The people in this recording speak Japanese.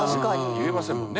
言えませんもんね